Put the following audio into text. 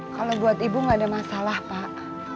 kalau buat ibu gak ada masalah pak